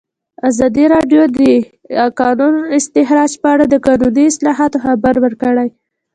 ازادي راډیو د د کانونو استخراج په اړه د قانوني اصلاحاتو خبر ورکړی.